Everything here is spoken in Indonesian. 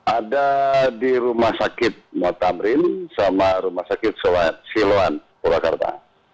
ada di rumah sakit muhammad tamrin sama rumah sakit siloan purwakarta